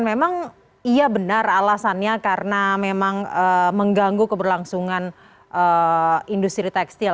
memang iya benar alasannya karena memang mengganggu keberlangsungan industri tekstil